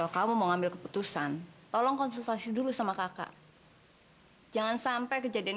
kamu mau main